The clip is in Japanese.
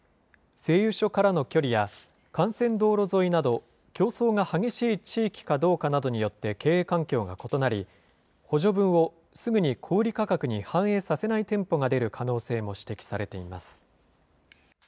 製油所からの距離や、幹線道路沿いなど、競争が激しい地域かどうかなどによって経営環境が異なり、補助分をすぐに小売り価格に反映させない店舗が出る可能性も指摘されています。